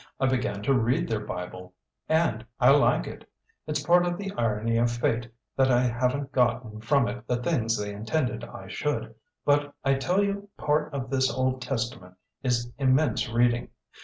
"I began to read their Bible, and I like it. It's part of the irony of fate that I haven't gotten from it the things they intended I should; but I tell you part of this Old Testament is immense reading.